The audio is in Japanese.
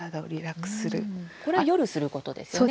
これは夜することですよね